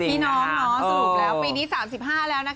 พี่น้องสรุปแล้วปีนี้๓๕แล้วนะคะ